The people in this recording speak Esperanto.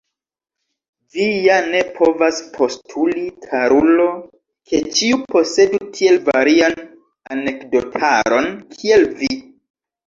Vi ja ne povas postuli, karulo, ke ĉiu posedu tiel varian anekdotaron kiel vi!